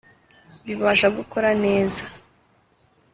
bibasha gukora neza .